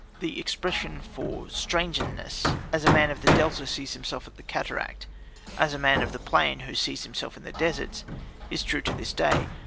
The expression for strangeness "as a man of the Delta sees himself at the cataract, as a man of the plain who sees himself in the deserts" is true to this day.